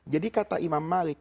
jadi kata imam malik